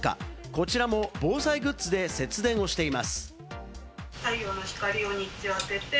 こちらも防災グッズで節電をしています。